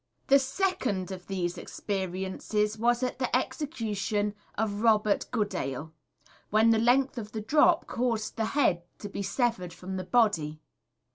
The second of these experiences was at the execution of Robert Goodale, when the length of the drop caused the head to be severed from the body.